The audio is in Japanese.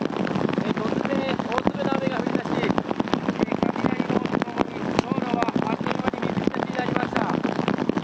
突然大粒の雨が降り出し道路はあっという間に水浸しになりました。